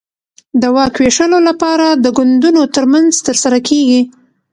د واک وېشلو لپاره د ګوندونو ترمنځ ترسره کېږي.